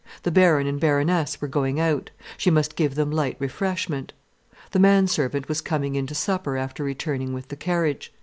The Baron and Baroness were going out, she must give them light refreshment. The man servant was coming in to supper after returning with the carriage.